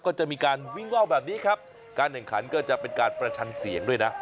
ก็จะมีการวิ่งว่าวแบบนี้ครับการแข่งขันก็จะเป็นการประชันเสียงด้วยนะ